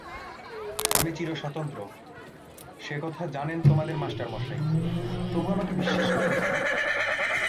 আমি চিরস্বতন্ত্র, সে-কথা জানেন তোমাদের মাস্টারমশায়, তবু আমাকে বিশ্বাস করেন কেন?